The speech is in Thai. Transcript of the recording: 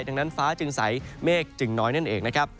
ดังนั้นฟ้าจึงใสเมฆจึงน้อยนั่นเองนะครับ